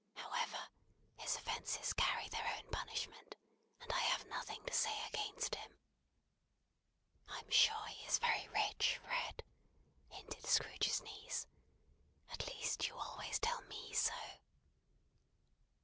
However, his offences carry their own punishment, and I have nothing to say against him." "I'm sure he is very rich, Fred," hinted Scrooge's niece. "At least you always tell me so."